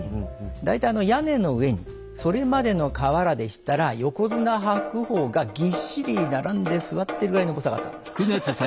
大体屋根の上にそれまでの瓦でしたら横綱白鵬がぎっしり並んで座ってるぐらいの重さがあったんです。